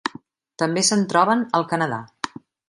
També se'n troben al Canadà.